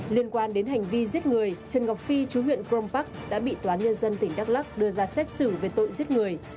liên quan đến hành vi giết người trần ngọc phi chú huyện crong park đã bị tòa nhân dân tỉnh đắk lắc đưa ra xét xử về tội giết người